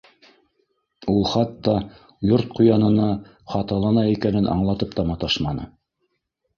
Ул хатта Йорт ҡуянына хаталана икәнен аңлатып та маташманы.